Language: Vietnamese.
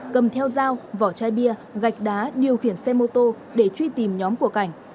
cầm theo dao vỏ chai bia gạch đá điều khiển xe mô tô để truy tìm nhóm của cảnh